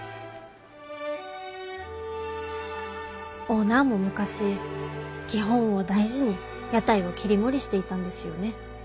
オーナーも昔基本を大事に屋台を切り盛りしていたんですよね。